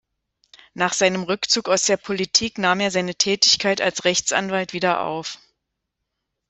Nach seinem Rückzug aus der Politik nahm er seine Tätigkeit als Rechtsanwalt wieder auf.